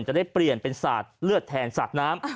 จะได้เปลี่ยนเป็นสาดเลือดแทนสาดน้ำ